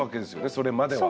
それまでは。